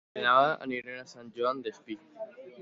Dema aniré a Sant Joan Despí